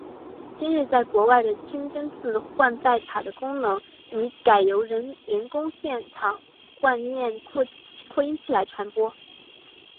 今日在国外的清真寺唤拜塔的功能已改由人工现场唤念扩音器来传播。